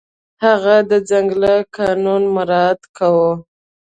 هغه د ځنګل قانون مراعت کاوه.